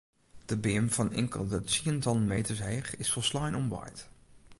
De beam fan inkelde tsientallen meters heech is folslein omwaaid.